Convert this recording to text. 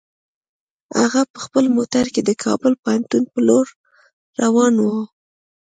هغه په خپل موټر کې د کابل پوهنتون په لور روان و.